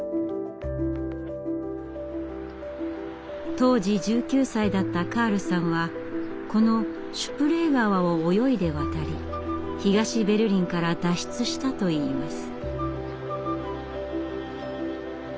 当時１９歳だったカールさんはこのシュプレー川を泳いで渡り東ベルリンから脱出したといいます。